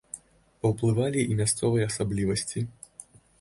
Паўплывалі і мясцовыя асаблівасці.